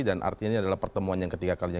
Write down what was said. dan artinya ini adalah pertemuan yang ketiga kalinya